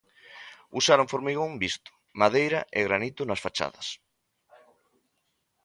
Usaron formigón visto, madeira e granito nas fachadas.